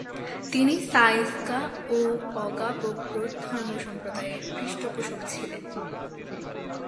তিনি সা-স্ক্যা ও ব্কা'-ব্র্গ্যুদ ধর্মসম্প্রদায়ের পৃষ্ঠপোষক ছিলেন।